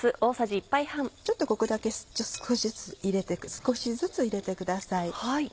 ちょっとここだけ少しずつ入れてください。